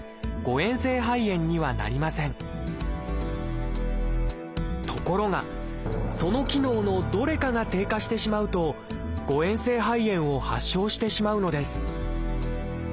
えん性肺炎にはなりませんところがその機能のどれかが低下してしまうと誤えん性肺炎を発症してしまうのです